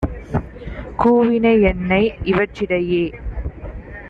கூவின என்னை! - இவற்றிடையே